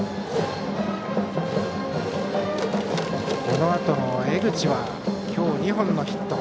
このあとの江口は今日、２本のヒット。